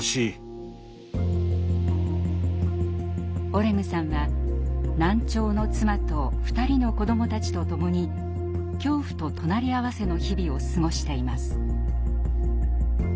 オレグさんは難聴の妻と２人の子どもたちとともに恐怖と隣り合わせの日々を過ごしています。